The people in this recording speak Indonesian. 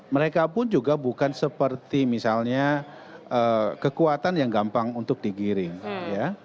mereka pun juga bukan seperti misalnya kekuatan yang gampang untuk digiring ya